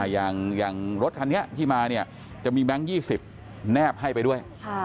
อย่างรถคันนี้ที่มาเนี่ยจะมีแบงค์๒๐แนบให้ไปด้วย